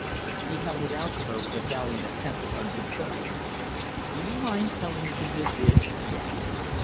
He held it out to her with a valiant attempt at unconcern. "Do you mind telling me who this is?" he asked.